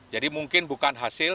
jadi mungkin bukan hasil